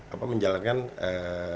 apa menjalankan ee